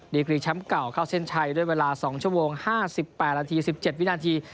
กรีแชมป์เก่าเข้าเส้นชัยด้วยเวลา๒ชั่วโมง๕๘นาที๑๗วินาที